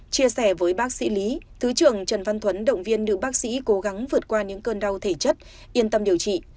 chia sẻ với bác sĩ lý thứ trưởng trần văn thuấn động viên nữ bác sĩ cố gắng vượt qua những cơn đau thể chất yên tâm điều trị